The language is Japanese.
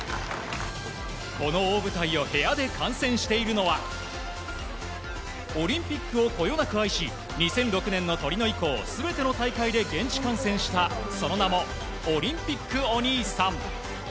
この大舞台を部屋で観戦しているのはオリンピックをこよなく愛し２００６年のトリノ以降全ての大会で現地観戦したその名もオリンピックお兄さん。